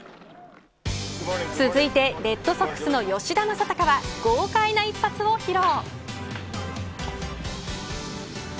続いてレッドソックスの吉田正尚は豪快な一発を披露。